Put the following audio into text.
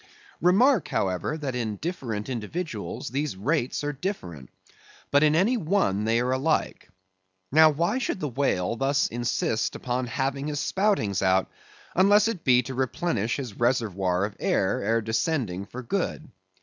Remark, however, that in different individuals these rates are different; but in any one they are alike. Now, why should the whale thus insist upon having his spoutings out, unless it be to replenish his reservoir of air, ere descending for good?